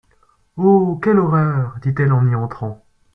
Oh ! quelle horreur ! dit-elle en y entrant.